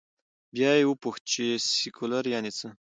بیا یې وپوښت، چې سیکولر یعنې څه؟